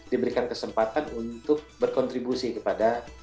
diberikan kesempatan untuk berkontribusi kepada